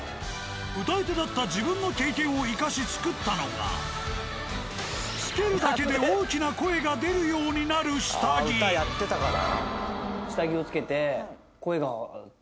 歌い手だった自分の経験を生かし作ったのがつけるだけで大きなああ歌やってたから。